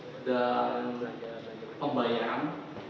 sudah ada pembayaran